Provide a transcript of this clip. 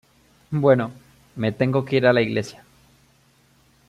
Bueno, me tengo que ir a la iglesia..."".